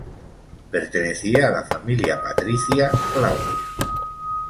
Pertenecía a la familia patricia Claudia.